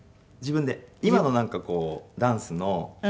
今のなんかこうダンスの。